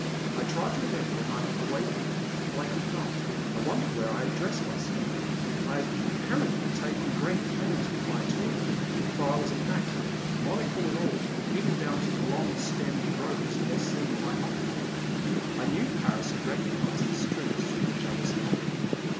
I tried to remember when I had awakened, but I could not. I wondered where I had dressed myself; I had apparently taken great pains with my toilet, for I. was immaculate, monocle and all, even down to a long stemmed' rose nestling in my button hole. I knew Paris and recognized the streets through which I was hurrying.